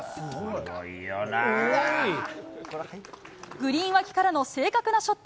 グリーン脇からの正確なショット。